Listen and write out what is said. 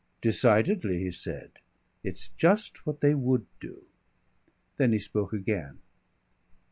"Decidedly," he said. "It's just what they would do." Then he spoke again.